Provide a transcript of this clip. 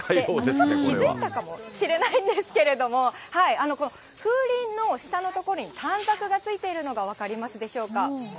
気付いたかもしれないんですけれども、この風鈴の下の所に短冊がついているのが分かりますでしょうか。